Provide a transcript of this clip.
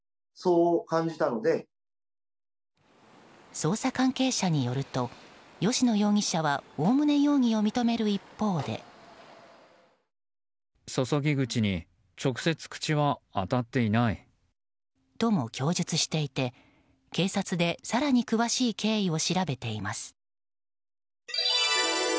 捜査関係者によると吉野容疑者はおおむね容疑を認める一方で。とも供述していて警察で更に詳しい経緯を調べています。